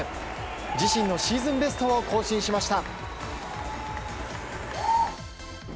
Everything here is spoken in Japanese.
自身のシーズンベストを更新しました。